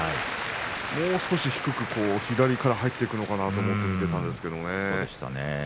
もう少し低く左から入っていくのかなと思っていたんですけれどもね。